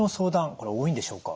これ多いんでしょうか？